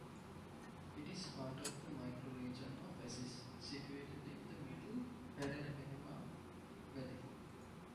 It is part of the Microregion of Assis, situated in the middle Paranapanema Valley.